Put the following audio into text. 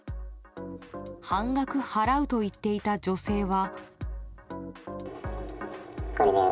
半額払うと言っていた女性は。